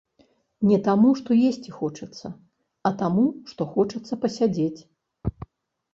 Не таму, што есці хочацца, а таму, што хочацца пасядзець.